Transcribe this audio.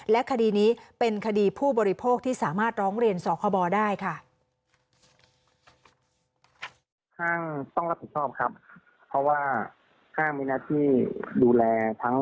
และคดีนี้เป็นคดีผู้บริโภคที่สามารถร้องเรียนสคบได้ค่ะ